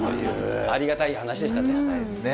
ありがたい話でしたね。